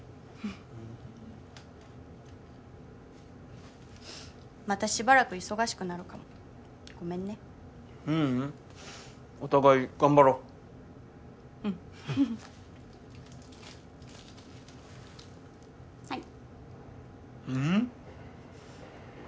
うんまたしばらく忙しくなるかもごめんねううんお互い頑張ろううんはいうん？